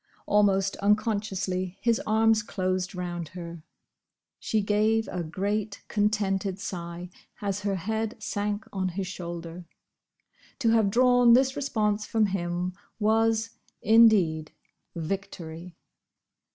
Almost unconsciously his arms closed round her. She gave a great, contented sigh, as her head sank on his shoulder. To have drawn this response from him was, indeed, victory!